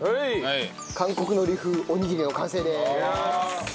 韓国海苔風おにぎりの完成です。